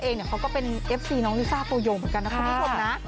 เนี่ยเขาก็เป็นเอฟซีน้องยุซ่าโปโยงเหมือนกันนะครับทุกคนนะ